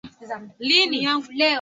akidai wapinzani wake wa kisiasa